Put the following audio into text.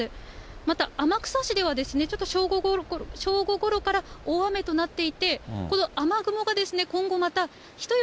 また天草市では、ちょっと正午ごろから大雨となっていて、この雨雲が今後また人吉